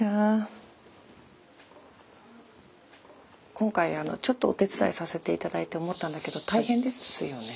今回ちょっとお手伝いさせていただいて思ったんだけど大変ですよね。